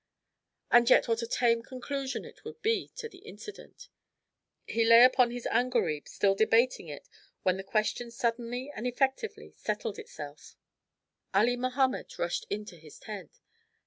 And yet what a tame conclusion it would be to the incident! He lay upon his angareeb still debating it when the question suddenly and effectively settled itself. Ali Mahomet rushed into his tent.